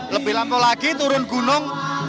lebih lampu lagi turun gunung